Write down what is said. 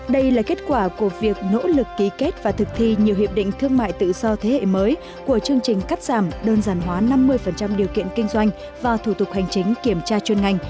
đây là kết quả của việc nỗ lực ký kết và thực thi nhiều hiệp định thương mại tự do thế hệ mới của chương trình cắt giảm đơn giản hóa năm mươi điều kiện kinh doanh và thủ tục hành chính kiểm tra chuyên ngành